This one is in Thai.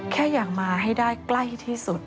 แค่อยากมาให้ได้ใกล้ที่สุด